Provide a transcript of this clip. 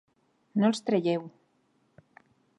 No els traieu.